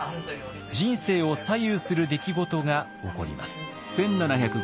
人生を左右する出来事が起こります。